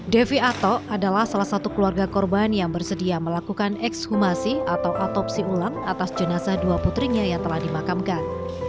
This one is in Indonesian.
devi ato adalah salah satu keluarga korban yang bersedia melakukan ekshumasi atau otopsi ulang atas jenazah dua putrinya yang telah dimakamkan